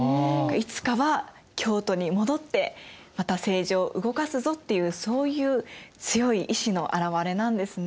いつかは京都に戻ってまた政治を動かすぞっていうそういう強い意志の表れなんですね。